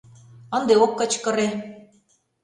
Ынде ок кычкыре.